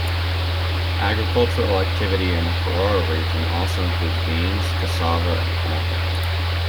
Agricultural activity in the Caruaru area also includes beans, cassava, and corn.